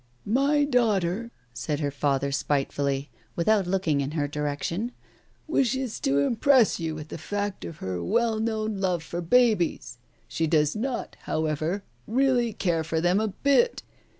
"My daughter," said her father spitefully, without looking in her direction, "wishes to impress you with the fact of her well known love for babies. She does not, however, really care for them a bit.